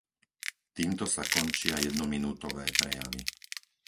Týmto sa končia jednominútové prejavy.